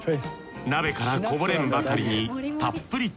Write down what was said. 鍋からこぼれんばかりにたっぷりと